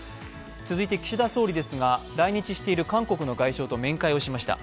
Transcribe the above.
続いて岸田総理ですが、来日している韓国の外相と面会をしました。